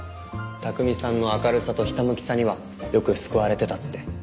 拓海さんの明るさとひたむきさにはよく救われてたって。